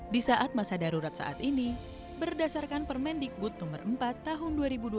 di saat masa darurat saat ini berdasarkan permendikbud no empat tahun dua ribu dua puluh